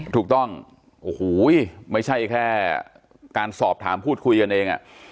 ถูกต้องโอ้โหไม่ใช่แค่การสอบถามพูดคุยกันเอง